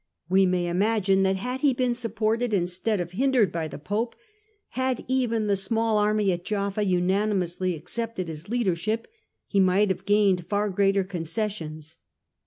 We may imagine that had he been supported instead of hindered by the Pope, had even the small army at Jaffa unanimously accepted his leadership, he might have gained far greater con cessions.